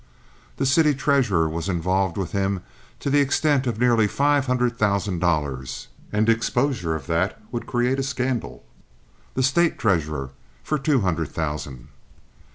The city treasurer was involved with him to the extent of nearly five hundred thousand dollars, and exposure of that would create a scandal; the State treasurer for two hundred thousand.